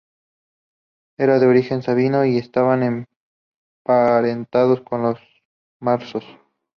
Eran de origen sabino y estaban emparentados con los marsos.